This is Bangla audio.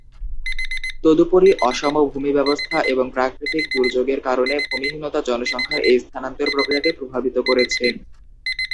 তদুপরি, অসম ভূমিব্যবস্থা এবং প্রাকৃতিক দুর্যোগের কারণে ভূমিহীনতা জনসংখ্যার এ স্থানান্তর প্রক্রিয়াকে প্রভাবিত করেছে।